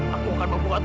jadi jangan dapat